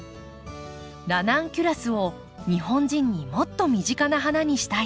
「ラナンキュラスを日本人にもっと身近な花にしたい」。